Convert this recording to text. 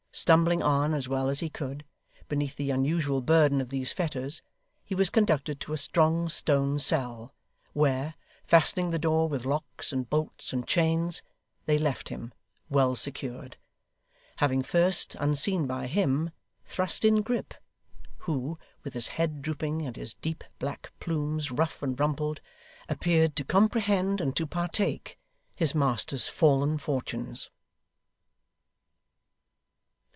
Stumbling on as well as he could, beneath the unusual burden of these fetters, he was conducted to a strong stone cell, where, fastening the door with locks, and bolts, and chains, they left him, well secured; having first, unseen by him, thrust in Grip, who, with his head drooping and his deep black plumes rough and rumpled, appeared to comprehend and to partake, his master's fallen fortunes.